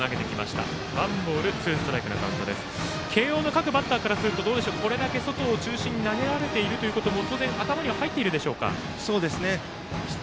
慶応の各バッターからするとこれだけ外中心に投げられているということも当然、頭には入っているでしょうか。